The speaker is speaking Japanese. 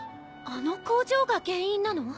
あの工場が原因なの？